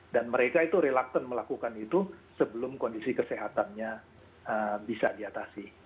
dan mereka itu reluctant melakukan itu sebelum kondisi kesehatannya bisa diatasi